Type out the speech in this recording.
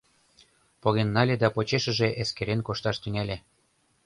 Поген нале да почешыже эскерен кошташ тӱҥале...